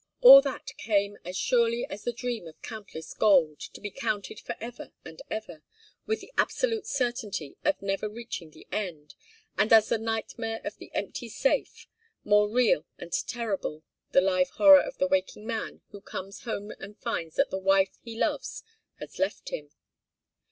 All that came as surely as the dream of countless gold, to be counted forever and ever, with the absolute certainty of never reaching the end, and as the nightmare of the empty safe, more real and terrible than the live horror of the waking man who comes home and finds that the wife he loves has left him.